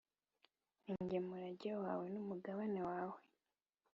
ni jye murage wawe n’umugabane wawe.